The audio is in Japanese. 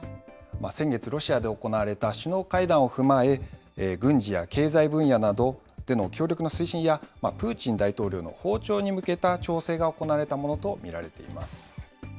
先月、ロシアで行われた首脳会談を踏まえ、軍事や経済分野などでの協力の推進や、プーチン大統領の訪朝に向けた調整が行われたものと見られています。